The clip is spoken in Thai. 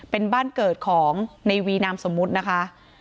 เป็นบ้านเกิดของในวีนามสมมุตินะคะ